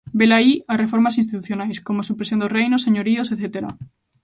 Velaí as reformas institucionais como a supresión dos reinos, señoríos etcétera.